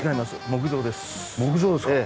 木造ですか。